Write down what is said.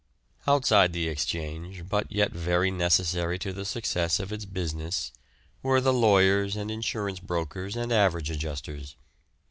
Outside the Exchange, but yet very necessary to the success of its business, were the lawyers and insurance brokers and average adjusters.